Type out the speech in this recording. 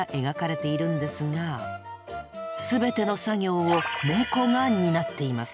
全ての作業をネコが担っています。